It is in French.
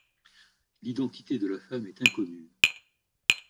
L'identité de la femme est inconnue.